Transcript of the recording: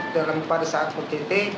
dalam empat sahabat